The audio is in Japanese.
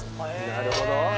なるほど。